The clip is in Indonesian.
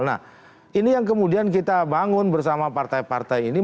nah ini yang kemudian kita bangun bersama partai partai ini